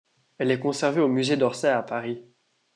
Elle est conservée au musée d'Orsay à Paris.